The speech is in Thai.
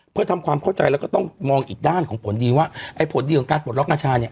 เพื่อทำความเข้าใจแล้วก็ต้องมองอีกด้านของผลดีว่าไอ้ผลดีของการปลดล็อกกัญชาเนี่ย